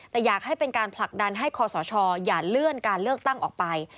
แต่อยากให้เป็นการผลักดันให้คอสชอย่าเลื่อนการเลือกตั้งออกไป